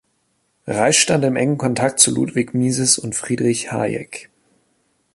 Reisch stand in engem Kontakt zu Ludwig Mises und Friedrich Hayek.